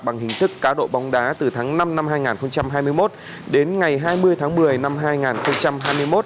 bằng hình thức cá độ bóng đá từ tháng năm năm hai nghìn hai mươi một đến ngày hai mươi tháng một mươi năm hai nghìn hai mươi một